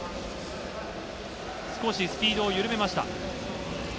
少しスピードを緩めました。